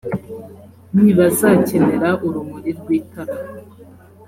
ntibazakenera urumuri rw itara